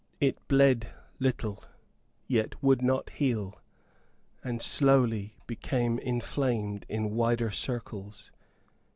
It bled little, yet would not heal; and slowly became inflamed in wider circles.